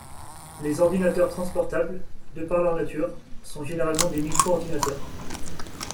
Les ordinateurs transportables, de par leur nature, sont généralement des micro-ordinateurs.